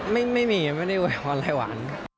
ไม่มีไม่ได้โอ๊ยพอละหวาน